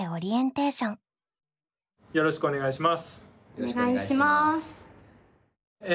よろしくお願いします。